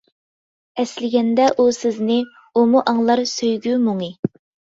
ئەسلىگەندە ئۇ سىزنى، ئۇمۇ ئاڭلار سۆيگۈ مۇڭى.